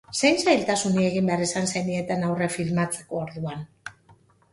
Zein zailtasuni egin behar izan zenieten aurre filmatzeko orduan?